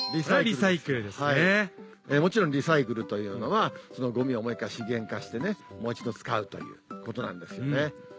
もちろんリサイクルというのはゴミをもう一回資源化してもう一度使うということなんですよね。